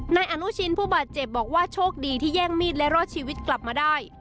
นายอนุชินผู้บาดเจ็บบอกว่าโชคดีที่แย่งมีดและรอดชีวิตกลับมาได้